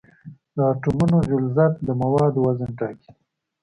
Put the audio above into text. د اټومونو غلظت د موادو وزن ټاکي.